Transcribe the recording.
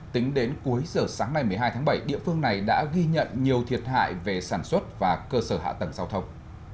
tính đến cuối giờ sáng nay một mươi hai tháng bảy địa phương này đã ghi nhận nhiều thiệt hại về sản xuất và cơ sở hạ tầng giao thông